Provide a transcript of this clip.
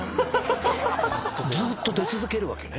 ずっと出続けるわけね。